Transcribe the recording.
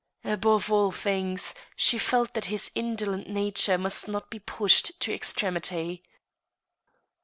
Above all thmgs she felt that his indolent nature must not be pushed to extremity.